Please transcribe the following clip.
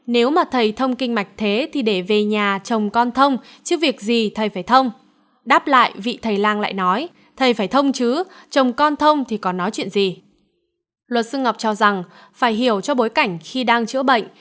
luật sư ngọc cho rằng phải hiểu cho bối cảnh khi đang chữa bệnh